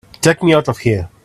Take me out of here!